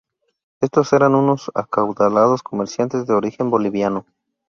Estos eran unos acaudalados comerciantes de origen boliviano.